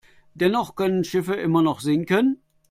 Dennoch können Schiffe immer noch sinken.